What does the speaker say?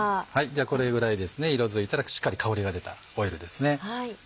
これぐらい色づいたらしっかり香りが出たオイルですね。